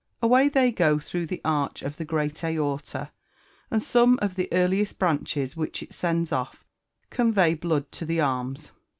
Away they go through the arch of the great aorta, and some of the earliest branches which it sends off convey blood to the arms.